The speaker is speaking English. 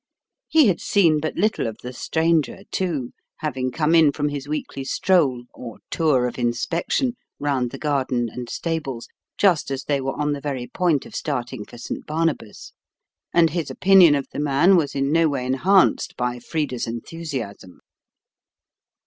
He had seen but little of the stranger, too, having come in from his weekly stroll, or tour of inspection, round the garden and stables, just as they were on the very point of starting for St. Barnabas: and his opinion of the man was in no way enhanced by Frida's enthusiasm.